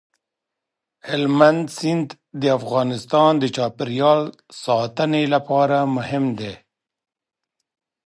هلمند سیند د افغانستان د چاپیریال ساتنې لپاره مهم دی.